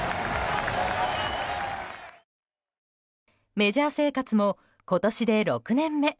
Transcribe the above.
メジャー生活も今年で６年目。